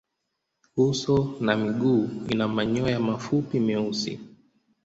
Uso na miguu ina manyoya mafupi meusi.